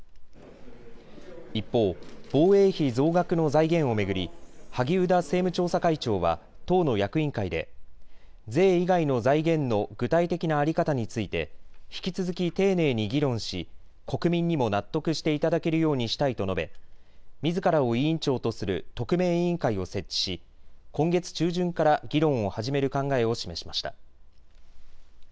一方、防衛費増額の財源を巡り萩生田政務調査会長は党の役員会で税以外の財源の具体的な在り方について引き続き丁寧に議論し国民にも納得していただけるようにしたいと述べみずからを委員長とする特命委員会を設置し今月中旬から議論を始める考えを示しました。